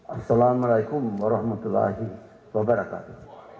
assalamualaikum warahmatullahi wabarakatuh